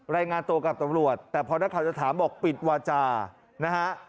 รายงานตัวกับตำรวจแต่พอนักข่าวจะถามบอกปิดวาจานะฮะ